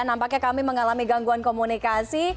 nampaknya kami mengalami gangguan komunikasi